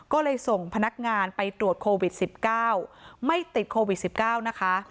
ก็เลยส่งพนักงานไปตรวจโควิด๑๙ไม่ติดโควิด๑๙นะคะ